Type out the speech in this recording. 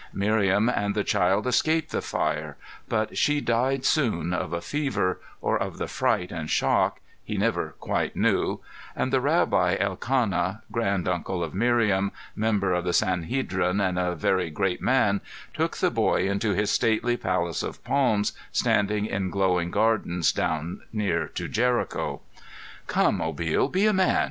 Miriam and the child escaped the fire, but she died soon, of a fever, or of the fright and shock he never quite knew and the Rabbi Elkanah, granduncle of Miriam, member of the Sanhedrin and a very great man, took the boy into his stately Palace of Palms standing in glowing gardens down near to Jericho. "Come, Obil, be a man!"